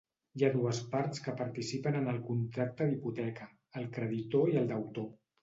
Hi ha dues parts que participen en el contracte d'hipoteca: el creditor i el deutor.